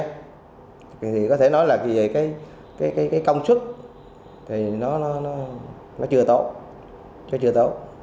thì có thể nói là cái công suất thì nó chưa tốt